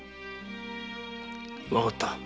わかった。